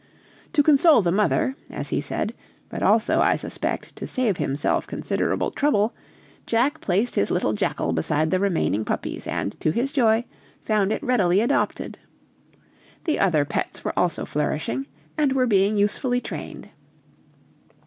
To console the mother, as he said, but also, I suspect, to save himself considerable trouble, Jack placed his little jackal beside the remaining puppies, and, to his joy, found it readily adopted. The other pets were also flourishing, and were being usefully trained.